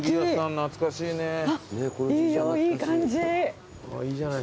懐かしい。